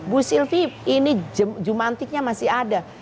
bu sylvi ini jumantiknya masih ada